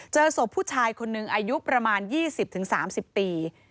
เจอศพผู้ชายคนหนึ่งอายุประมาณ๒๐๓๐ปี